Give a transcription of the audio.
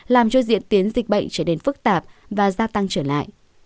làm cho diễn tiến dịch bệnh trở nên phức tạp và gia tăng trở lại